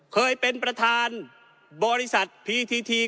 เคยเป็นประธานบริษัทพีทีที